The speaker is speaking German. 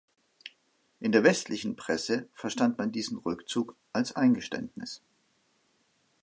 In der westlichen Presse verstand man diesen Rückzug als Eingeständnis.